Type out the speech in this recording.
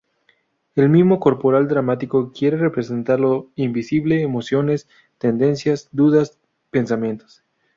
El mimo corporal dramático quiere representar lo invisible; emociones, tendencias, dudas, pensamientos.